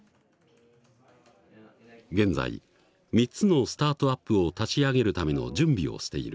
現在３つのスタートアップを立ち上げるための準備をしている。